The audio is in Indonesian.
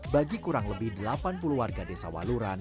bagi kurang lebih delapan puluh warga desa waluran